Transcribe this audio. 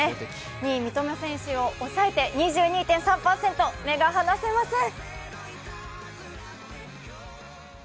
２位の三笘選手を抑えて、２２．３％、目が離せません。